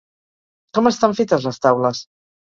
Com estan fetes les taules?